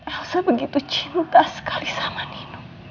aku begitu cinta sekali sama nino